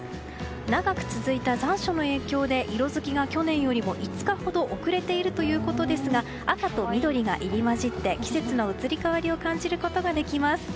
長く続いた残暑の影響で色づきが去年よりも５日ほど遅れているということですが赤と緑が入り混じって季節の移り変わりを感じることができます。